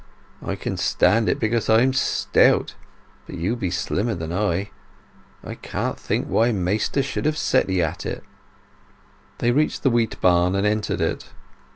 I can stand it because I'm stout; but you be slimmer than I. I can't think why maister should have set 'ee at it." They reached the wheat barn and entered it.